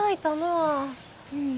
うん。